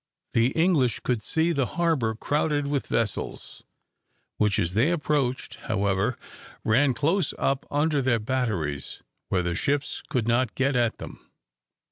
The English could see the harbour crowded with vessels, which as they approached, however, ran close up under their batteries where the ships could not get at them.